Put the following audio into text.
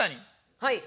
はい！